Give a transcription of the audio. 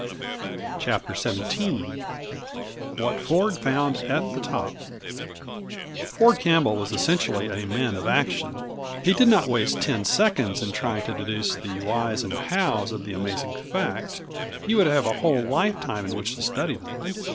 CHAPTER XVII What Ford Found at the Top Ford Campbell was essentially a man of action; he did not waste ten seconds in trying to deduce the whys and hows of the amazing fact; he would have a whole lifetime in which to study them.